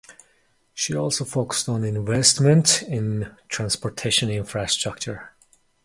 She also focused on investment in transportation infrastructure.